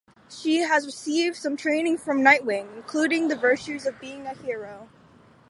She has received some training from Nightwing, including the virtues of being a hero.